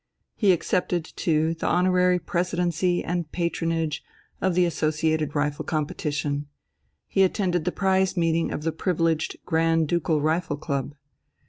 He accepted, too, the honorary Presidency and Patronage of the Associated Rifle Competition; he attended the prize meeting of the privileged Grand Ducal Rifle Club.